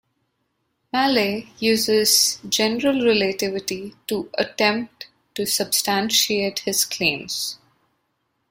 Mallett uses general relativity to attempt to substantiate his claims.